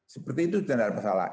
seperti itu tanda tanda masalah